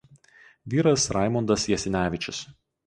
Vyras Raimundas Jasinevičius.